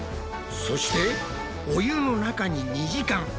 そしてお湯の中に２時間。